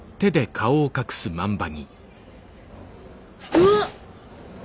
うわっ！